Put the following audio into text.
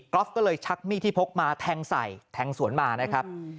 อฟก็เลยชักมีดที่พกมาแทงใส่แทงสวนมานะครับ